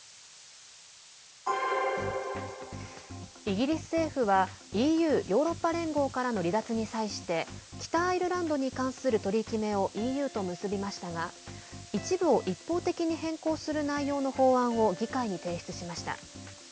イギリス政府はＥＵ＝ヨーロッパ連合からの離脱に際して北アイルランドに関する取り決めをＥＵと結びましたが一部を一方的に変更する内容の法案を議会に提出しました。